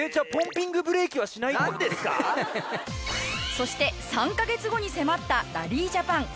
そして３カ月後に迫ったラリージャパン